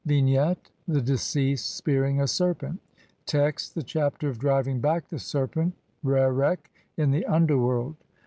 ] Vignette : The deceased spearing a serpent. Text : (i) THE CHAPTER OF DRIVING BACK THE SERPENT REREK IN THE UNDERWORLD.